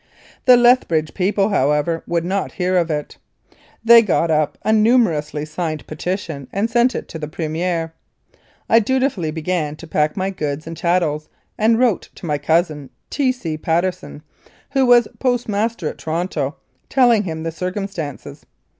The Lethbridge people, however, would not hear of it. They got up a numerously signed petition and sent it to the Premier. I dutifully began to pack my goods and chattels, and wrote to my cousin, T. C. Patteson, who was postmaster at Toronto, telling him the circumstances.